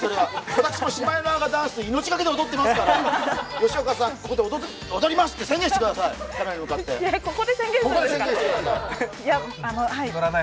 私もシマエナガダンス、命がけで踊ってますから吉岡さん、ここで「踊ります」と宣言してください。